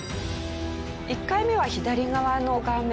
１回目は左側の画面。